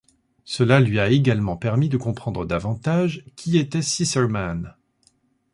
Cela lui a également permis de comprendre davantage qui était Scissorman.